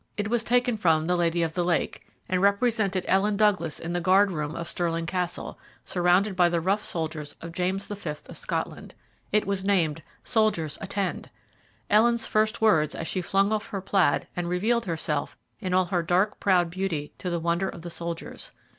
It was taken from "The Lady of the Lake," and represented Ellen Douglas in the guard room of Stirling Castle, surrounded by the rough soldiers of James V. of Scotland. It was named "Soldiers, Attend!" Ellen's first words as she flung off her plaid and revealed herself in all her dark proud beauty to the wonder of the soldiers.